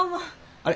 あれ？